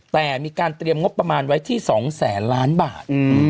แต่มีการเตรียมงบประมาณไว้ที่๒แสนล้านบาท